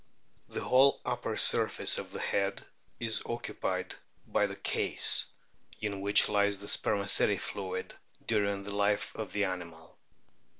The whole upper surface of the head is occupied by the "case" in which lies the spermaceti fluid during the life of the animal.